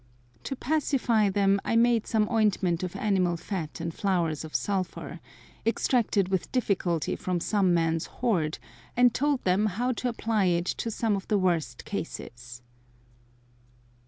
To pacify them I made some ointment of animal fat and flowers of sulphur, extracted with difficulty from some man's hoard, and told them how to apply it to some of the worst cases.